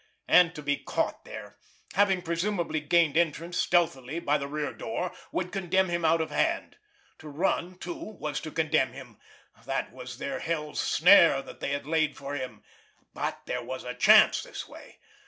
_ And to be caught there, having presumably gained entrance stealthily by the rear door, would condemn him out of hand. To run, too, was to condemn him, that was their hell's snare that they had laid for him ... but there was a chance this way!